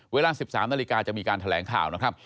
เวลา๑๓นาฬิกาจะมีการแถลงข่าวนะครับ